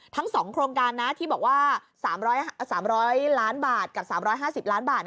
ทั้ง๒โครงการนะที่บอกว่า๓๐๐ล้านบาทกับ๓๕๐ล้านบาท